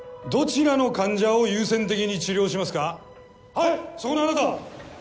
はいそこのあなた。